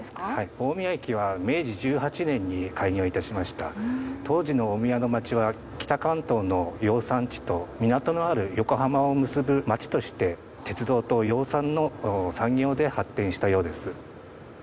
大宮駅は明治１８年に開業いたしました当時の大宮のまちは北関東の養蚕地と港のある横浜を結ぶまちとして鉄道と養蚕の産業で発展したようです